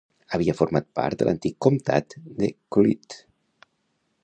Havia format part de l'antic comtat de Clwyd.